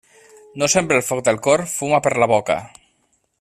No sempre el foc del cor fuma per la boca.